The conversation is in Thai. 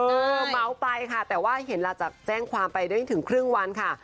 เมาส์ไปค่ะแต่ว่าเห็นล่ะจากแจ้งความไปได้ถึงครึ่งวันค่ะ